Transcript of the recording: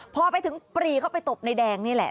พอไปถึงปรีเข้าไปตบในแดงนี่แหละ